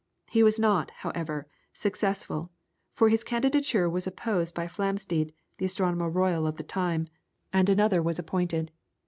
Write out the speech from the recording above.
He was not, however, successful, for his candidature was opposed by Flamsteed, the Astronomer Royal of the time, and another was appointed.